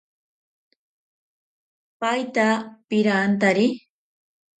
Paita pirantari.